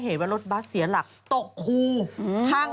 ตอนที่พักเราก็คุยกัน